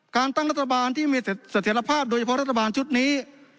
การตั้งรัฐบาลที่มีเสถียรภาพโดยเฉพาะรัฐบาลชุดนี้